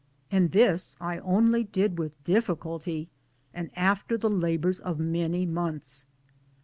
And this I only did with difficulty and after the labours of many months.